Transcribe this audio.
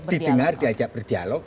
didengar diajak berdialog